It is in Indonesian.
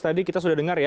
tadi kita sudah dengar ya